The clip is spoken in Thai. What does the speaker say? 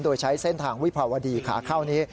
โดยใช้เส้นทางวิภาวดีขาเข้านี้